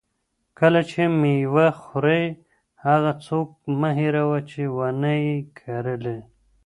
کله چې مېوه خورې، هغه څوک مه هېروه چې ونه یې کرلې.